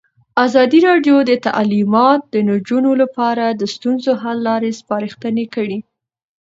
ازادي راډیو د تعلیمات د نجونو لپاره د ستونزو حل لارې سپارښتنې کړي.